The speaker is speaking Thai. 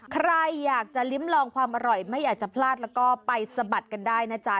ใครอยากจะลิ้มลองความอร่อยไม่อยากจะพลาดแล้วก็ไปสะบัดกันได้นะจ๊ะ